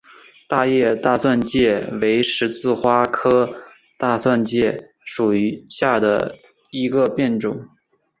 大叶大蒜芥为十字花科大蒜芥属下的一个变种。